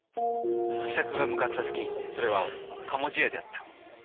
喜作が向かった先それはかもじ屋であった。